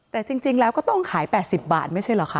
แต่จริงแล้วก็ต้องขาย๘๐บาทไม่ใช่เหรอคะ